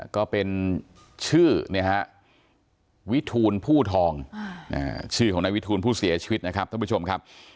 ก็เป็นชื่อวิทูลผู้ทองชื่อของนายวิทูลผู้เสียชีวิตนะครับท่านผู้ชมครับ